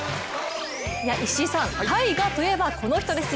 石井さん、タイガといえばこの人ですよ。